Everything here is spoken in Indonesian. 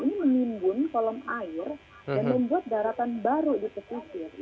ini menimbun kolom air dan membuat daratan baru di pesisir